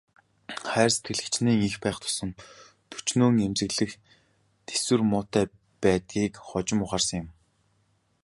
Хайр сэтгэл хэчнээн их байх тусам төчнөөн эмзэгхэн, тэсвэр муутай байдгийг хожим ухаарсан юм.